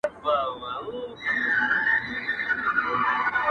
له پاره خورا لوی رقم دی